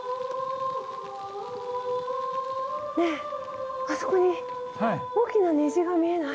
ねえあそこに大きな虹が見えない？